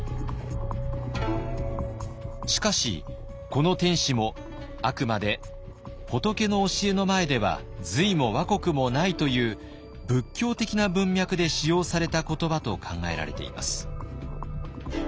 しかしこの「天子」もあくまで「仏の教えの前では隋も倭国もない」という仏教的な文脈で使用された言葉と考えられています。